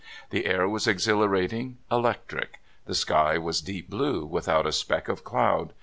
The air was exhilarating, electric. The sky was deep blue, without a speck of cloud.